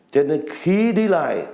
cho nên khi đi lại